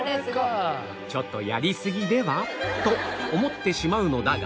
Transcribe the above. ちょっとやりすぎでは？と思ってしまうのだが